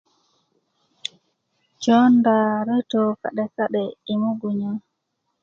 jonda reto ka'de ka'de yi mugunya